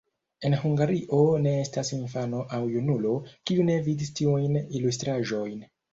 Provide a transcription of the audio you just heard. En Hungario ne estas infano aŭ junulo, kiu ne vidis tiujn ilustraĵojn.